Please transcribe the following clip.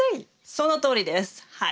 そのとおりですはい。